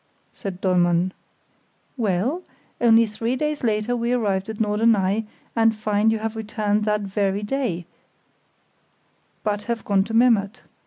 said Dollmann. "Well, only three days later we arrive at Norderney, and find you have returned that very day, but have gone to Memmert.